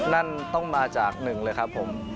นั่นต้องมาจากหนึ่งเลยครับผม